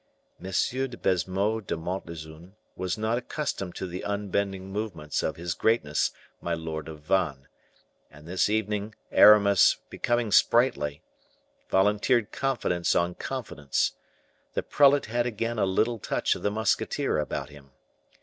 M. de Baisemeaux de Montlezun was not accustomed to the unbending movements of his greatness my lord of Vannes, and this evening Aramis, becoming sprightly, volunteered confidence on confidence. The prelate had again a little touch of the musketeer about him.